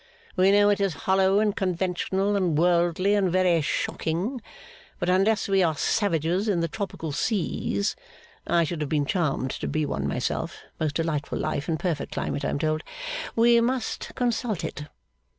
We know it is hollow and conventional and worldly and very shocking, but unless we are Savages in the Tropical seas (I should have been charmed to be one myself most delightful life and perfect climate, I am told), we must consult it.